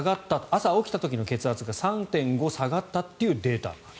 朝起きた時の血圧が３．５下がったというデータがある。